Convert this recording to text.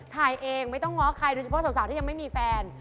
ถ่ายเองไม่ต้องง้อใครโดยเฉพาะสาวที่ยังไม่มีแฟน